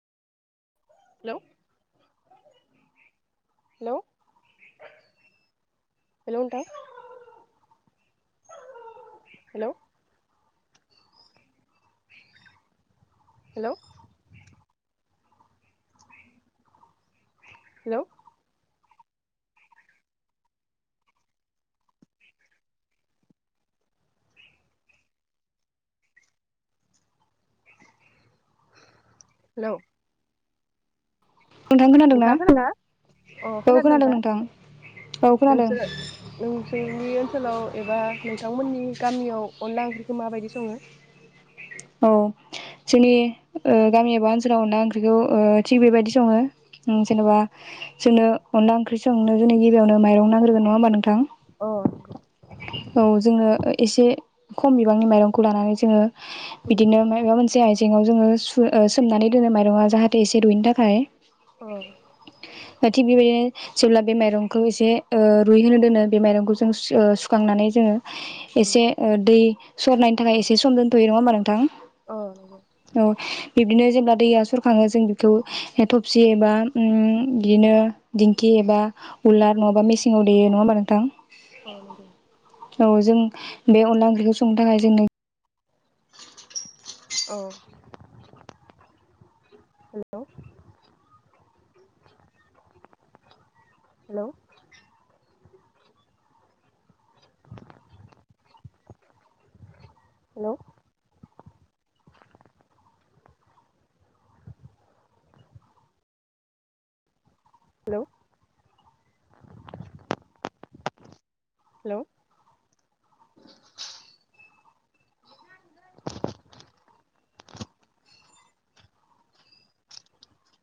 हेल' hello hello नोंथां hello hello hello hello नोंथां खोनादोंना नोंथाङा खोनादना अ औ खोनादों नोंथा। नोंथां औ खोनादों नोंसोर- नोंसोरनि ओनसोलाव एबा नोंथांमोननि गामियाव अनला ओंख्रिखौ माबायदि सङो? औ जोंनि ओ गामि एबा ओनसोलाव ना ओंख्रिखौ ओ थिग बेबायदि सङो‌ जेनेबा जोनो अनला ओंख्रि संनो गिबियावनो जोंनो माइरं नांग्रोगोन नङा होनबा नोंथां? अ नंगौ। औ जोङो एसे खम बिबांनि माइरंखौ लानानै जोङो उम बिदिनो मायबा मोनसे आइ एंयाव जोङो सु ओ सोमनानै दोनो माइरङा जाहाथे एसे रुयनो थाखाय। अ दा थिग बेबायनो जेब्ला बे माइरंखौ एसे ओ रुइहोनो दोनो बे माइरंखौ जों ओ खांनानै जोङो उम एसे ओ दै सरनायनि थाखाय एसे सम दोनथ'यो। नङा होमबा नोंथां? अ नंगौ औ बिब्दिनो जेब्ला दैया सर आङो जों बिखौ थफसि एबा उम गिदिनो दिंखि एबा उलार नङाबा मिसिंआव देयो नङा होनबा नों थां औ नोंगौ। औ जों बे अनला ओंख्रिखौ संनो थाखाय जोंनो औ हेल' हेल' हेल' हेल' हेल'